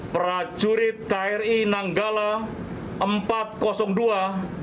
prajurit kri nanggala empat ratus dua